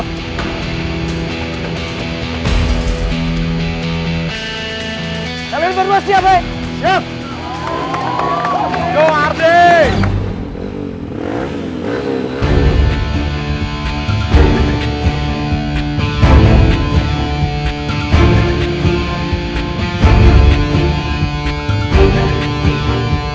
kamu berdua siap eh